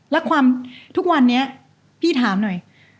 แล้วความทุกวันนี้พี่ถามหน่อย